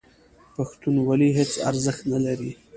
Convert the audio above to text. پښتونولي هېڅ ارزښت نه لري.